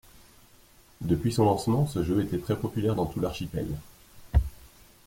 Depuis son lancement, ce jeu était très populaire dans tout l'archipel.